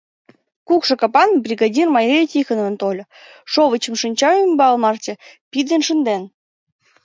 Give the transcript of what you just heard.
Кукшо капан бригадир Мария Тихоновна тольо, шовычшым шинча ӱмбал марте пидын шынден.